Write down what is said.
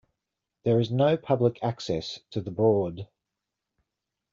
There is no public access to the Broad.